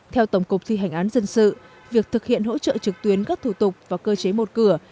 theo tổng cục thi hành án dân sự việc thực hiện hỗ trợ trực tuyến các thủ tục và cơ chế một cửa